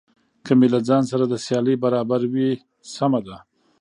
که مې له ځان سره د سیالۍ برابر وي سمه ده.